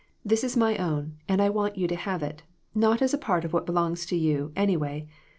This is my own, and I want you to have it, not as a part of what belongs to you, anyway.